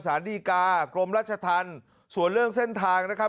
สารดีกากรมราชธรรมส่วนเรื่องเส้นทางนะครับ